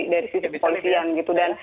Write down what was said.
dari sisi kepolisian gitu dan